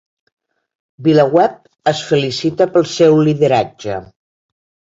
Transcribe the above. VilaWeb es felicita pel seu lideratge